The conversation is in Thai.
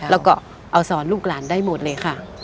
แล้วก็เอาสอนลูกหลานได้หมดเลยค่ะ